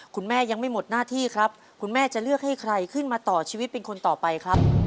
คุณแม่ยังไม่หมดหน้าที่ครับคุณแม่จะเลือกให้ใครขึ้นมาต่อชีวิตเป็นคนต่อไปครับ